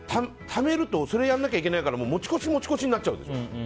ためるとそれをやらなきゃいけなくなるから持ち越し、持ち越しになっちゃうでしょ。